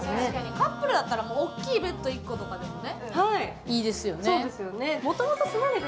カップルだったら大きいベッド１個とかでもね。